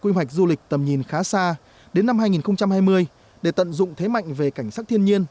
quy hoạch du lịch tầm nhìn khá xa đến năm hai nghìn hai mươi để tận dụng thế mạnh về cảnh sắc thiên nhiên